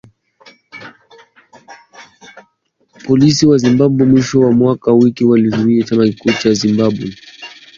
Polisi wa Zimbabwe mwishoni mwa wiki walikizuia chama kikuu cha upinzani nchini humo kufanya mikutano kabla ya uchaguzi wa machi ishirini na sita.